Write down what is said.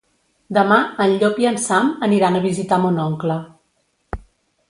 Demà en Llop i en Sam aniran a visitar mon oncle.